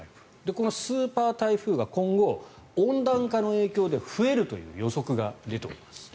このスーパー台風が今後、温暖化の影響で増えるという予測が出ております。